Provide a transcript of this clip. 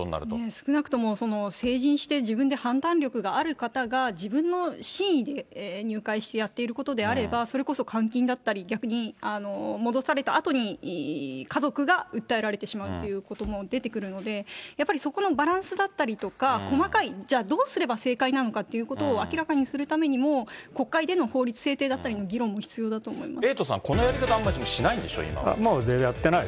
少なくとも成人して、自分で判断力がある方が、自分の真意で入会してやっていることであれば、それこそ監禁だったり、逆に戻されたあとに、家族が訴えられてしまうということも出てくるので、やっぱりそこのバランスだったりとか、細かい、じゃあどうすれば、正解なのかということを明らかにするためにも、国会での法律制定だったりの議論も必要だと思います。